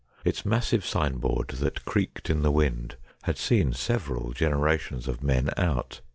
Its massive signboard that creaked in the wind had seen several generations of men out.